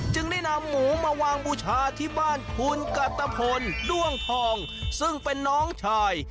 จึงได้นำหมูมาวางบูชาที่บ้านคุณกัตตะพลด้วงทองซึ่งเป็นน้องชาย